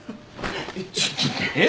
えっちょっとえっ？